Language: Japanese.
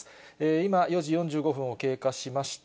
今、４時４５分を経過しました。